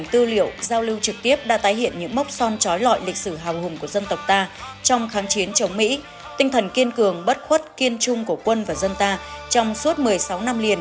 trong trường mỹ tinh thần kiên cường bất khuất kiên trung của quân và dân ta trong suốt một mươi sáu năm liền